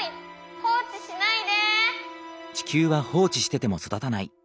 放置しないで。